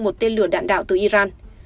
một tên lửa đạn đạo từ iran